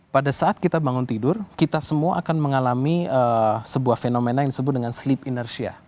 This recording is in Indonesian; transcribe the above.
pada saat kita bangun tidur kita semua akan mengalami sebuah fenomena yang disebut dengan sleep inercia